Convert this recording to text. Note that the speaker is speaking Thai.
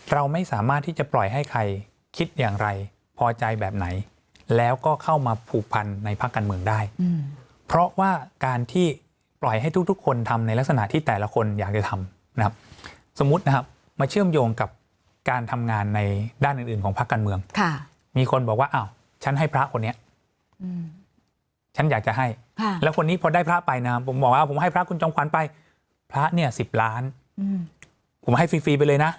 เราไม่สามารถที่จะปล่อยให้ใครคิดอย่างไรพอใจแบบไหนแล้วก็เข้ามาผูกพันในภาคการเมืองได้อืมเพราะว่าการที่ปล่อยให้ทุกทุกคนทำในลักษณะที่แต่ละคนอยากจะทำนะครับสมมุตินะครับมาเชื่อมโยงกับการทำงานในด้านอื่นอื่นของภาคการเมืองค่ะมีคนบอกว่าอ้าวฉันให้พระคนนี้อืมฉันอยากจะให้ค่ะแล้วคนนี้พอได้